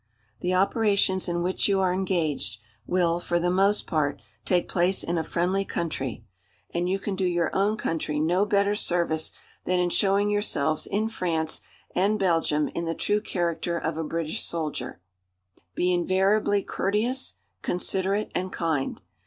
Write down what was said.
"The operations in which you are engaged will, for the most part, take place in a friendly country, and you can do your own country no better service than in showing yourselves in France and Belgium in the true character of a British soldier. "Be invariably courteous, considerate, and kind.